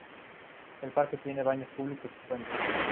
El parque tiene baños públicos y fuentes.